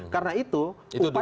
karena itu upaya